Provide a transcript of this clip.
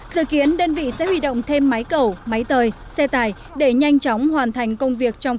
dự kiến đơn vị sẽ huy động thêm máy cầu máy tời xe tải để nhanh chóng hoàn thành công việc trong